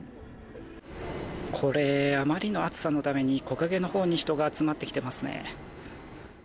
これ、あまりの暑さのために木陰のほうに人が集まってきていますね。